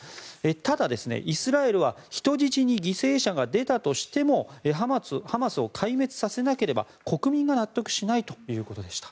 ただ、イスラエルは人質に犠牲者が出たとしてもハマスを壊滅させなければ国民が納得しないということでした。